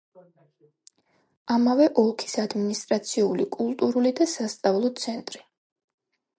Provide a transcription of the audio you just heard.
ამავე ოლქის ადმინისტრაციული, კულტურული და სასწავლო ცენტრი.